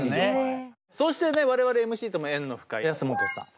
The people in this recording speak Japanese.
そしてね我々ＭＣとも縁の深い安本さん。